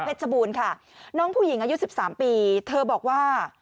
บูรณ์ค่ะน้องผู้หญิงอายุ๑๓ปีเธอบอกว่า